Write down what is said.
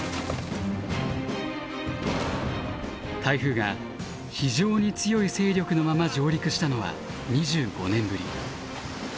台風が非常に強い勢力のまま上陸したのは２５年ぶり。